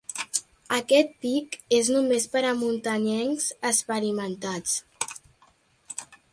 Aquest pic és només per a muntanyencs experimentats.